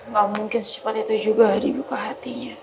gak mungkin seperti itu juga dibuka hatinya